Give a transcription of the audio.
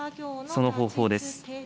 その方法です。